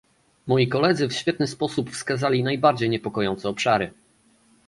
Moi koledzy w świetny sposób wskazali najbardziej niepokojące obszary